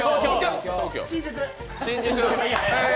新宿。